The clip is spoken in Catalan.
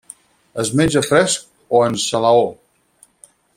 Es menja fresc o en salaó.